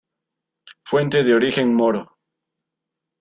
Fuente de origen moro.